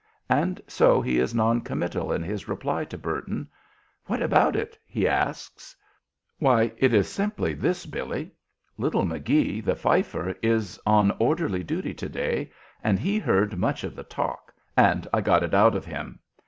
And so he is non committal in his reply to Burton. "What about it?" he asks. "Why, it's simply this, Billy: Little Magee, the fifer, is on orderly duty to day, and he heard much of the talk, and I got it out of him.